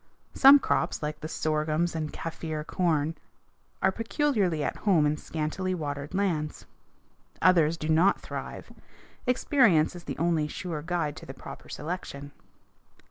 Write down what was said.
Some crops, like the sorghums and Kafir corn, are peculiarly at home in scantily watered lands. Others do not thrive. Experience is the only sure guide to the proper selection.